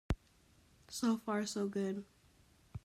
So far so good.